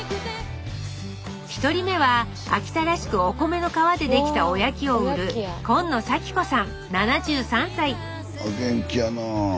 １人目は秋田らしくお米の皮でできたおやきを売るお元気やなあ。